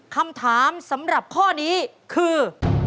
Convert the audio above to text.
คำถามสำหรับข้อนี้คือ